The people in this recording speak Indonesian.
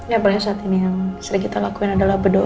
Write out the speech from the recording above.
ya paling saat ini yang sering kita lakuin adalah berdoa